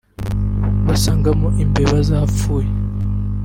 basangamo imbeba zapfuye